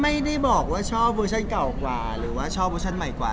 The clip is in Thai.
ไม่ได้บอกว่าชอบเวอร์ชั่นเก่ากว่าหรือว่าชอบเวอร์ชั่นใหม่กว่า